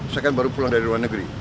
saya kan baru pulang dari luar negeri